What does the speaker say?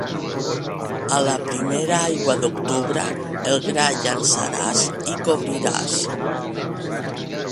A la primera aigua d'octubre, el gra llançaràs i cobriràs.